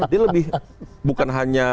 dia lebih bukan hanya